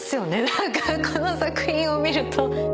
何かこの作品を見ると。